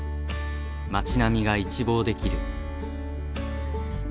町並みが一望できる。